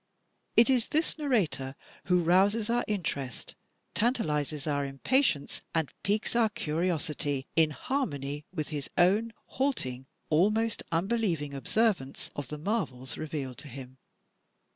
It is this narrator who rouses our interest, tanta lizes our impatience, and piques our curiosity, in harmony with his own halting almost unbelieving observance of the marvels revealed to him.